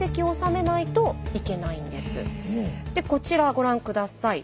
でこちらご覧下さい。